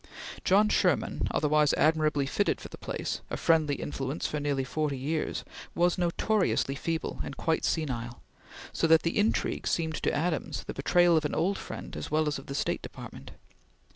John Sherman, otherwise admirably fitted for the place, a friendly influence for nearly forty years, was notoriously feeble and quite senile, so that the intrigue seemed to Adams the betrayal of an old friend as well as of the State Department.